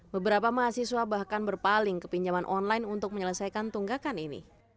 beberapa mahasiswa bahkan berpaling ke pinjaman online untuk menyelesaikan tunggakan ini